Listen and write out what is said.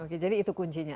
oke jadi itu kuncinya